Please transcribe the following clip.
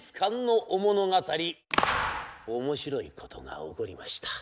面白いことが起こりました。